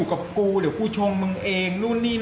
ก็บอกกูคือชมมึงเอง